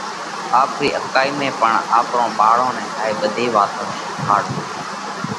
آپرِي اڪائِي ۾ پڻ آپرون ٻاۯون نئہ هائي ٻڌي واتون شِيکاڙوَو۔